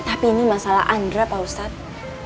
tapi ini masalah andra pak ustadz